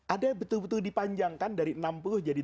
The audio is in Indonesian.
ada betul betul dipanjangkan dari enam puluh jadi dua puluh